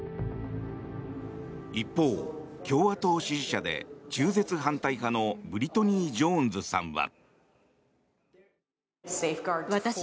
一方、共和党支持者で中絶反対派のブリトニー・ジョーンズさんは。